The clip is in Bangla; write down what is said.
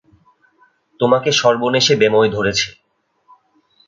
তোমাকে সর্বনেশে ব্যামোয় ধরেছে।